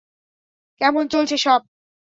কেমন চলছে সব।